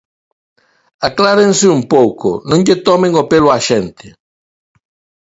Aclárense un pouco, ¡non lle tomen o pelo á xente!